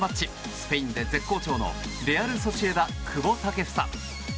スペインで絶好調のレアル・ソシエダ、久保建英。